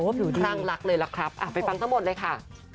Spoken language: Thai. ผิวคลั่งรักเลยล่ะครับไปฟังทั้งหมดเลยค่ะ